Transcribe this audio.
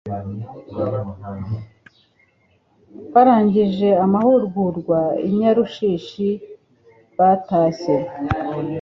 barangije amahugurwa i Nyarushishi batashye